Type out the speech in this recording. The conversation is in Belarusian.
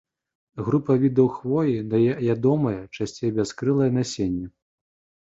Група відаў хвоі дае ядомае, часцей бяскрылае насенне.